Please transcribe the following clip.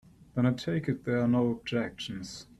Then I take it there are no objections.